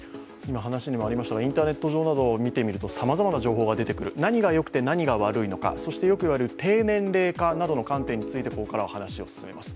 インターネット上などを見てみるとさまざまな情報が出てくる何がよくて何が悪いのかよくいわれる低年齢化についてここからは話を進めます。